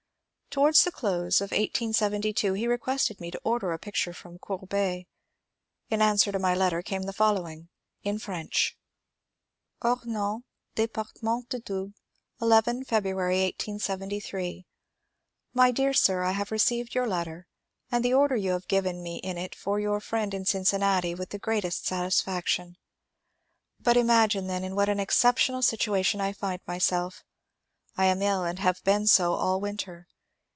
Towards the close of 1872 he requested me to order a picture from Courbet. In answer to my letter came the fol lowing, in French :— Omans, Dp. du Doubs, 11 February, 1873. —; My dear Sir, I have received your letter, and the order you have given me in it for your friend in Cincinnati, with the greatest sat isfaction ; but, imagine, then in what an exceptional situation I find myself. I am ill and have been so all winter.